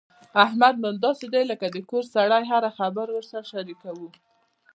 احمد مو داسې دی لکه د کور سړی هره خبره ورسره شریکوو.